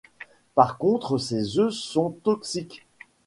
Par contre ses œufs sont toxiques.